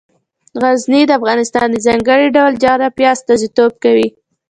غزني د افغانستان د ځانګړي ډول جغرافیه استازیتوب کوي.